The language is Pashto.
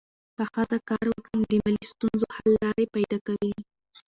که ښځه کار وکړي، نو د مالي ستونزو حل لارې پیدا کوي.